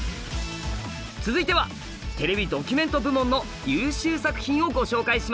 続いてはテレビドキュメント部門の優秀作品をご紹介します！